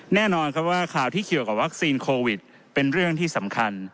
แน่นอนครับว่าข่าวที่เกี่ยวกับวัคซีนโควิดเป็นเรื่องที่สำคัญ